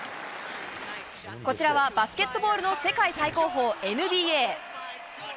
こちらは、バスケットボールの世界最高峰ＮＢＡ。